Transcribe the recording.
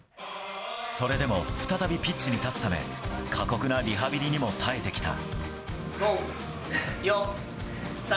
それでも再びピッチに立つため、過酷なリハビリにも耐えてきた。